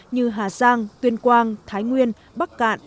như hà giang tuyên quang thái nguyên bắc cạn